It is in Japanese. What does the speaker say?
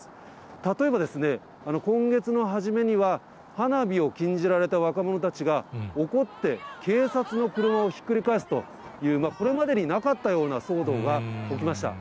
例えば、今月の初めには、花火を禁じられた若者たちが、怒って警察の車をひっくり返すという、これまでになかったような騒動が起きました。